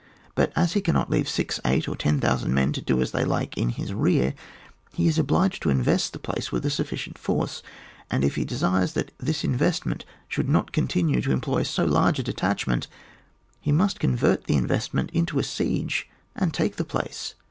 But as he cannot leave six, eight, or ten thousand men to do as they like in his rear, he is obliged to invest the place with a sufficient force, and if he desires that this investment should not continue to employ so large a detachment, he must convert the invest ment into a siege, and take the place.